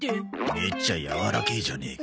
めっちゃやわらけえじゃねえか。